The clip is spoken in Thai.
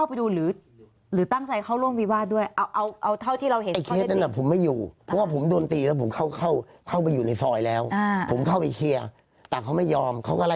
แปลว่าอะไรฮะก็คือเหมือนแบบว่าเขาแบบว่าเขาเป็นคน